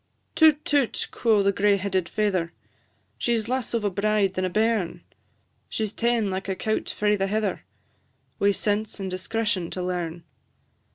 "Toot, toot!" quo' the gray headed faither; "She 's less of a bride than a bairn; She 's ta'en like a cowt frae the heather, Wi' sense and discretion to learn.